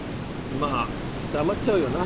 まぁ黙っちゃうよな